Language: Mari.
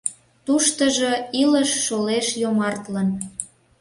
Туштыжо илыш шолеш йомартлын.